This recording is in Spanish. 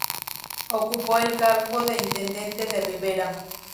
Ocupó el cargo de Intendente de Rivera.